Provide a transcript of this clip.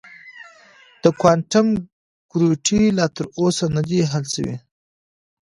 د کوانټم ګرویټي لا تر اوسه نه دی حل شوی.